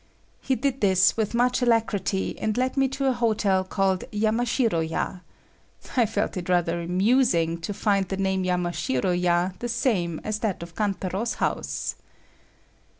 He did this with much alacrity and led me to a hotel called Yamashiro ya. I felt it rather amusing to find the name Yamashiro ya the same as that of Kantaro's house.